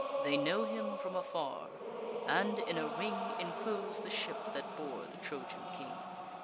They know him from afar; and in a ring Enclose the ship that bore the Trojan king.